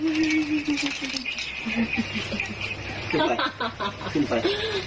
ขึ้นไปขึ้นไป